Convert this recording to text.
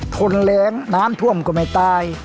ทนแรงน้ำท่วมก็ไม่ตาย